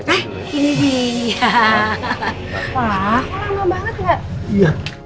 pak lama banget gak